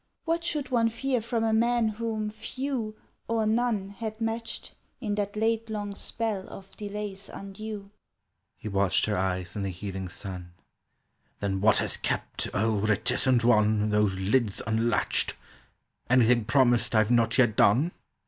What should one fear from a man whom few, Or none, had matched In that late long spell of delays undue!" He watched her eyes in the heaving sun: "Then what has kept, O reticent one, Those lids unlatched— Anything promised I've not yet done?"